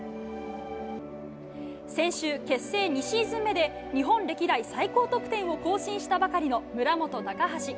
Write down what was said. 先週、結成２シーズン目で日本歴代最高得点を更新したばかりの村元、高橋。